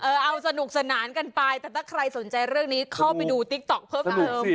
เอาสนุกสนานกันไปแต่ถ้าใครสนใจเรื่องนี้เข้าไปดูติ๊กต๊อกเพิ่มเติม